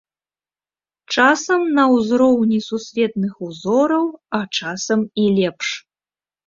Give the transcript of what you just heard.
Часам на ўзроўні сусветных узораў, а часам і лепш.